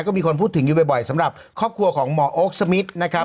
ก็มีคนพูดถึงอยู่บ่อยสำหรับครอบครัวของหมอโอ๊คสมิทนะครับ